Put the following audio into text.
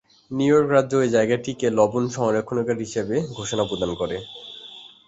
New York রাজ্য এ জায়গাটিকে লবণ সংরক্ষণাগার হিসাবে ঘোষণা প্রদান করে।